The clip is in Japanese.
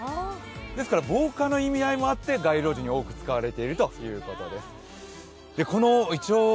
ですから防火の意味合いもあって街路樹に多く使われているといいます。